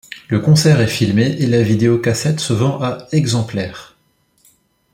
Le concert est filmé et la vidéo cassette se vend à exemplaires.